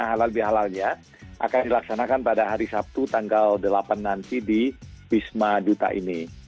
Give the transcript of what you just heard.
halal bihalalnya akan dilaksanakan pada hari sabtu tanggal delapan nanti di wisma duta ini